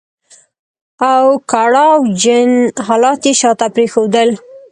او کړاو جن حالات يې شاته پرېښودل.